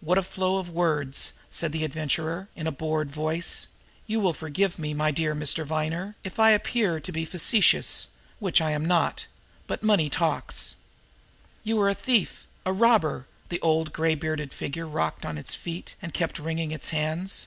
"What a flow of words!" said the Adventurer, in a bored voice. "You will forgive me, my dear Mr. Viner, if I appear to be facetious, which I am not but money talks." "You are a thief, a robber!" The old gray bearded figure rocked on its feet and kept wringing its hands.